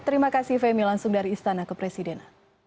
terima kasih femi langsung dari istana ke presiden